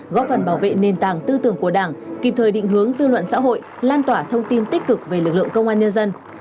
góp phần bảo vệ nền tảng tư tưởng của đảng kịp thời định hướng dư luận xã hội lan tỏa thông tin tích cực về lực lượng công an nhân dân